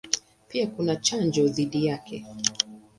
Pia kuna chanjo dhidi yake.